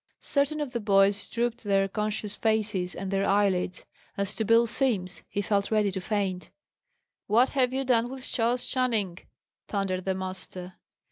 Certain of the boys drooped their conscious faces and their eyelids. As to Bill Simms, he felt ready to faint. "What have you done with Charles Channing?" thundered the master.